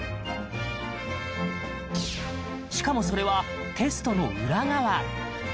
しかも、それはテストの裏側。